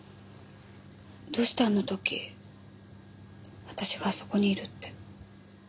どうしてあのとき私があそこにいるって？